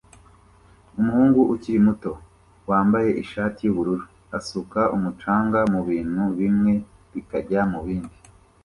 Umuhungu ukiri muto wambaye ishati yubururu asuka umucanga mubintu bimwe bikajya mubindi